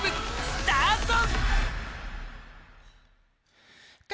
スタート。